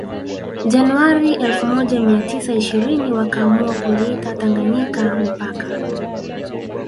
Januari elfu moja mia tisa ishirini wakaamua kuliita Tanganyika mipaka